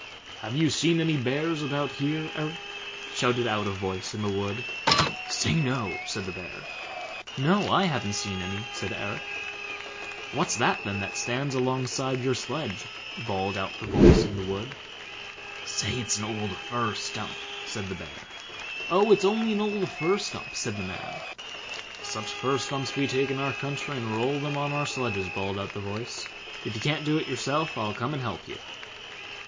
"Have you seen any bears about here, Eric?" shouted out a voice in the wood. "Say, no!" said the Bear. "No, I haven't seen any", said Eric. "What's that then, that stands alongside your sledge?" bawled out the voice in the wood. "Say it's an old fir stump", said the Bear. "Oh, it's only an old fir stump", said the man. "Such fir stumps we take in our country and roll them on our sledges", bawled out the voice; "if you can't do it yourself, I'll come and help you."